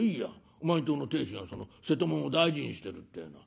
お前んとこの亭主がその瀬戸物を大事にしてるってえのは。